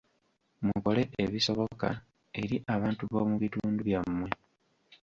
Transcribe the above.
Mukole ebisoboka eri abantu b'omu bitundu byammwe.